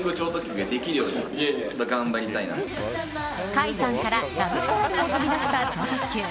カイさんからラブコールも飛び出した超特急。